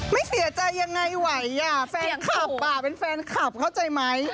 ไม่เสียใจยังไงไหวอ่ะแฟนคลับอ่ะเป็นแฟนคลับเข้าใจไหม